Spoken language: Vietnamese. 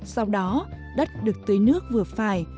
sau đó đất được tưới nước vừa phải